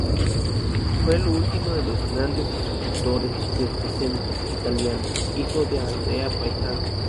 Fue el último de los grandes escultores del Trecento italiano, hijo de Andrea Pisano.